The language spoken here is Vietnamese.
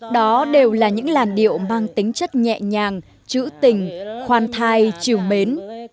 đó đều là những làn điệu mang tính chất nhẹ nhàng chữ tình khoan thai chiều mến